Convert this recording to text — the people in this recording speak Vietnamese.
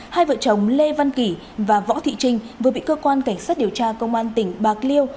hai vợ chồng lê văn kỳ và võ thị trinh vừa bị cơ quan cảnh sát điều tra công an tỉnh bạc liêu